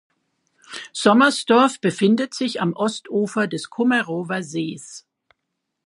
Sommersdorf befindet sich am Ostufer des Kummerower Sees.